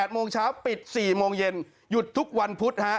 ๘โมงเช้าปิด๔โมงเย็นหยุดทุกวันพุธ